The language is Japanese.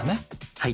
はい。